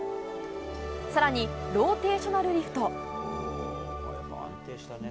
更に、ローテーショナルリフト。